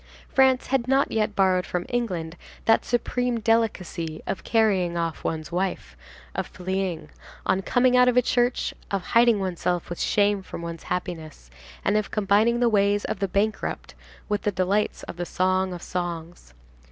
France had not yet borrowed from England that supreme delicacy of carrying off one's wife, of fleeing, on coming out of church, of hiding oneself with shame from one's happiness, and of combining the ways of a bankrupt with the delights of the Song of Songs.